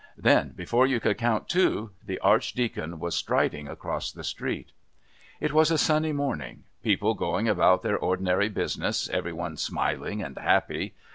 Then, "before you could count two," the Archdeacon was striding across the street. It was a sunny morning, people going about their ordinary business, every one smiling and happy.